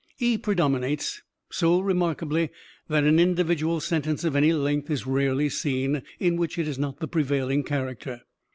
E predominates so remarkably, that an individual sentence of any length is rarely seen, in which it is not the prevailing character.